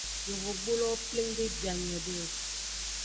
Yovogbulowo pleng de bia nyuiede o.